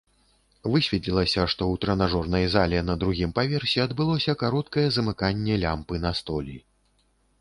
Высветлілася, што ў трэнажорнай зале на другім паверсе адбылося кароткае замыканне лямпы на столі.